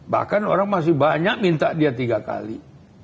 bahkan orang masih banyak minta dia tiga kali